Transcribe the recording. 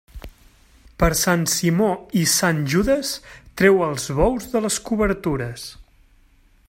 Per Sant Simó i Sant Judes, treu els bous de les cobertures.